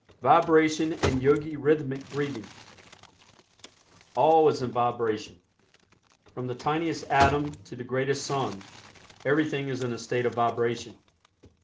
VIBRATION AND YOGI RHYTHMIC BREATHING All is in vibration. From the tiniest atom to the greatest sun, everything is in a state of vibration.